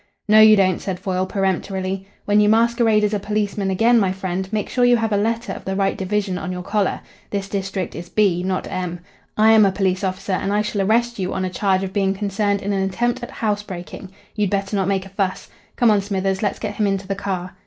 "No, you don't," said Foyle peremptorily. "When you masquerade as a policeman again, my friend, make sure you have a letter of the right division on your collar. This district is B, not M. I am a police officer, and I shall arrest you on a charge of being concerned in an attempt at housebreaking. You'd better not make a fuss. Come on, Smithers. Let's get him into the car."